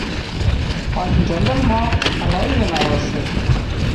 هانَ جنگل مان الاهي زناور سي